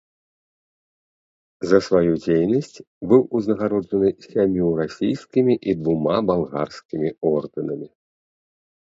За сваю дзейнасць быў узнагароджаны сямю расійскімі і двума балгарскімі ордэнамі.